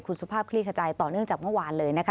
คุณสุภาพคลี่ขจายต่อเนื่องจากเมื่อวานเลยนะคะ